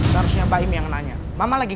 suara berisik itu lagi